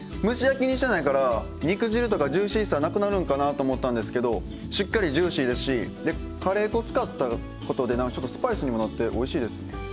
蒸し焼きにしてないから肉汁とかジューシーさなくなるんかなと思ったんですけどしっかりジューシーですしでカレー粉使ったことでスパイスにもなっておいしいですね。